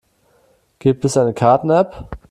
Gibt es eine Karten-App?